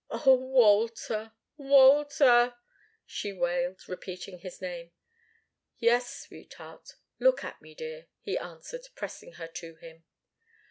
"Oh, Walter, Walter!" she wailed, repeating his name. "Yes sweetheart look at me, dear," he answered, pressing her to him.